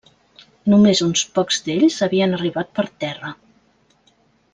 Només uns pocs d'ells havien arribat per terra.